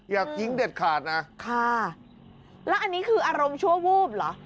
อย่าทิ้งเด็ดขาดนะค่ะแล้วอันนี้คืออารมณ์ชั่ววูบเหรอ